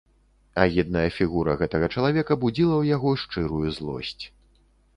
Агідная фігура гэтага чалавека будзіла ў яго шчырую злосць.